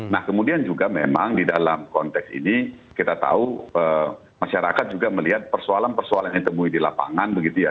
nah kemudian juga memang di dalam konteks ini kita tahu masyarakat juga melihat persoalan persoalan yang ditemui di lapangan begitu ya